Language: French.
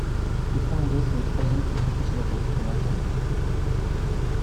Les finlandais sont les troisièmes plus gros consommateurs de fromage dans le monde.